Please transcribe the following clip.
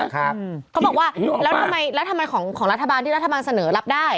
เขาบอกว่าแล้วทำไมแล้วทำไมของรัฐบาลที่รัฐบาลเสนอรับได้